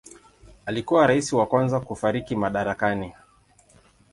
Alikuwa rais wa kwanza kufariki madarakani.